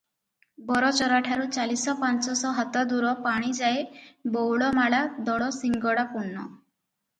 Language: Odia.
ବରଚରାଠରୁ ଚାଳିଶ ପାଞ୍ଚଶ ହାତ ଦୂର ପାଣିଯାଏ ବଉଳମାଳା ଦଳ ଶିଙ୍ଗଡ଼ା ପୂର୍ଣ୍ଣ ।